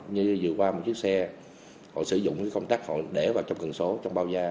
như vừa qua một chiếc xe họ sử dụng công tác họ để vào trong cường số trong bao gia